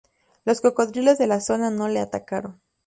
Los cocodrilos de la zona no le atacaron.